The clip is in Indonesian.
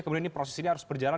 kemudian proses ini harus berjalan